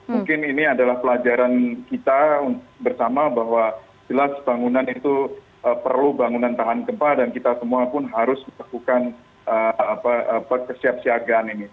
mungkin ini adalah pelajaran kita bersama bahwa jelas bangunan itu perlu bangunan tahan gempa dan kita semua pun harus melakukan kesiapsiagaan ini